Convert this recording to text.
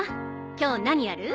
今日何やる？